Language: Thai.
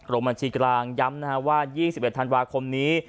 บัญชีกลางย้ำว่า๒๑ธันวาคมนี้